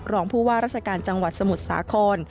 รองผู้ว่าราชการจังหวัดสมุทรสาคร